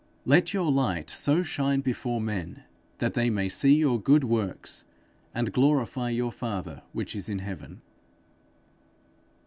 Let your light so shine before men, that they may see your good works, and glorify your father which is in heaven.'